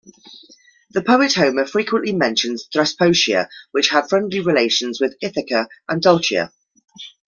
The poet Homer frequently mentions Thesprotia which had friendly relations with Ithaca and Doulichi.